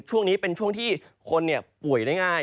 ช่วงนี้เป็นช่วงที่คนป่วยได้ง่าย